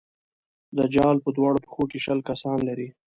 دجال په دواړو پښو کې شل کسان لري.